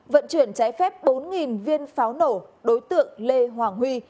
vận chuyển trái phép bốn viên pháo nổ đối tượng lê hoàng huy